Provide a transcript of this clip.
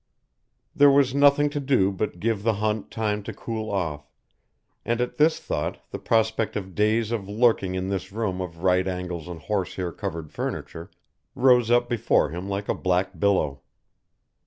There was nothing to do but give the hunt time to cool off, and at this thought the prospect of days of lurking in this room of right angles and horsehair covered furniture, rose up before him like a black billow.